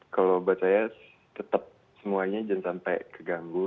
kalau buat saya tetap semuanya jangan sampai keganggu